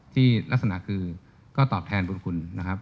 ที่ลักษณะคือก็ตอบแทนบุญคุณนะครับ